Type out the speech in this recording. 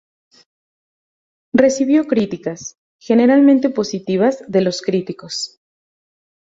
Recibió críticas "generalmente positivas" de los críticos.